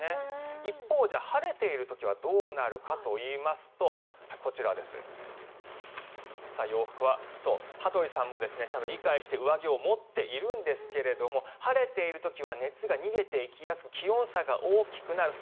一方、晴れている時はどうなるかといいますとこちら、洋服は羽鳥さんもちゃんと理解して上着を持っているんですが晴れている時は熱が逃げていきやすく気温差が大きくなる。